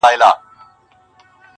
زه چي الله څخه ښكلا په سجده كي غواړم.